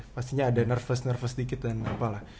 pastinya ada nervous nervous sedikit dan apalah